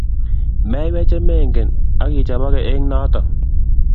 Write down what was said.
meiywey che mengen akichoboke eng' notok